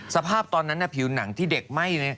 สภาพตอนนั้นผิวหนังที่เด็กไหม้